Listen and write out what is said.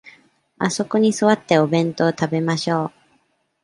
あそこに座って、お弁当を食べましょう。